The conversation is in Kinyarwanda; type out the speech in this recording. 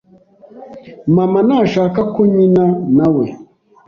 Mama ntashaka ko nkina nawe.